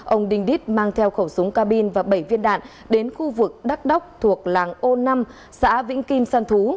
ông đinh đít mang theo khẩu súng ca bin và bảy viên đạn đến khu vực đắc đốc thuộc làng ô năm xã vĩnh kim săn thú